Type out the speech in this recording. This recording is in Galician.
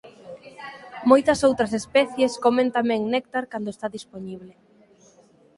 Moitas outras especies comen tamén néctar cando está dispoñible.